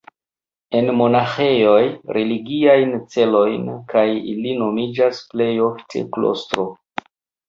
En monaĥejoj, religiajn celojn, kaj ili nomiĝas plej ofte klostro.